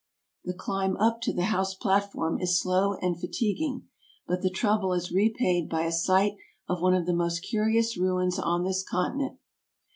The climb up to the house platform is slow and fatiguing, but the trouble is repaid by a sight of one of the most curi ous ruins on this continent.